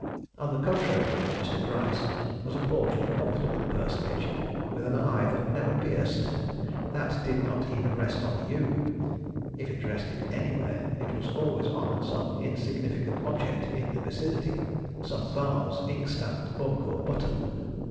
On the contrary, Mr. Gryce was a portly, comfortable personage with an eye that never pierced, that did not even rest on you. If it rested anywhere, it was always on some insignificant object in the vicinity, some vase, inkstand, book, or button.